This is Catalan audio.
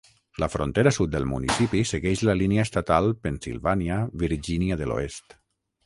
La frontera sud del municipi segueix la línia estatal Pennsilvània-Virgínia de l'Oest.